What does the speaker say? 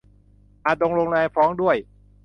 อาจโดนโรงแรมฟ้องด้วย